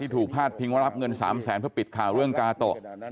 พาดพิงว่ารับเงิน๓แสนเพื่อปิดข่าวเรื่องกาโตะ